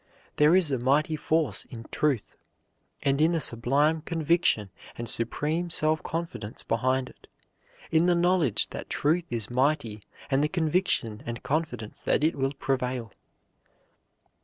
There is a mighty force in truth, and in the sublime conviction and supreme self confidence behind it; in the knowledge that truth is mighty, and the conviction and confidence that it will prevail.